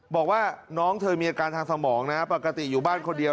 บอกว่าน้องเธอมีอาการทางสมองนะปกติอยู่บ้านคนเดียว